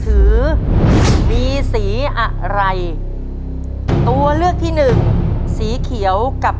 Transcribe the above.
ต้นไม้ประจำจังหวัดระยองการครับ